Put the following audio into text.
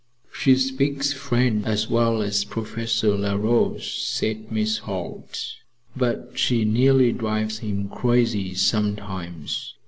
"She speaks French as well as Professor La Roche," said Miss Holt, "but she nearly drives him crazy sometimes.